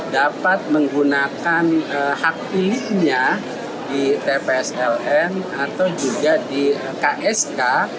dapat menggunakan hak pilihnya di tpsln atau juga di ksk